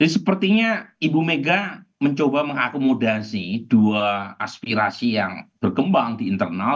sepertinya ibu mega mencoba mengakomodasi dua aspirasi yang berkembang di internal